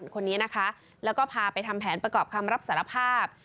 คนนี้นะคะแล้วก็พาไปทำแผนประกอบคำรับสารภาพ